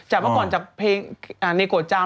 ปับว่าเมื่อก่อนในเกาะจาม